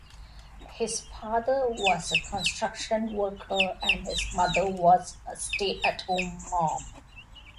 His father was a construction worker and his mother was a stay-at-home mom.